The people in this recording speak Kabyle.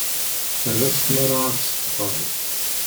Terra-tt tmara ad testqerr.